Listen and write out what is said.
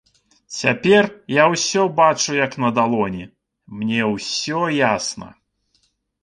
Цяпер я ўсё бачу як на далоні, мне ўсё ясна.